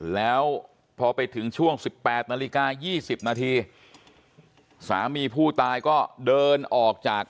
แล้วพอไปถึงช่วง๑๘นาฬิกา๒๐นาทีสามีผู้ตายก็เดินออกจาก